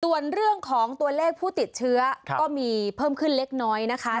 ส่วนเรื่องของตัวเลขผู้ติดเชื้อก็มีเพิ่มขึ้นเล็กน้อยนะคะ